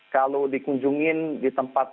kalau dikunjungi di tempat